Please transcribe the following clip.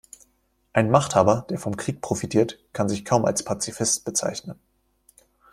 Ein Machthaber, der vom Krieg profitiert, kann sich kaum als Pazifist bezeichnen.